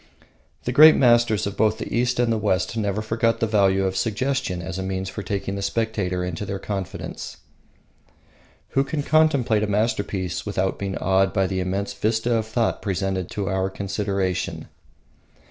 The great masters both of the East and the West never forgot the value of suggestion as a means for taking the spectator into their confidence. Who can contemplate a masterpiece without being awed by the immense vista of thought presented to our consideration?